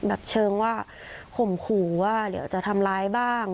แบบเชิงว่าข่มขู่ว่าเดี๋ยวจะทำร้ายบ้าง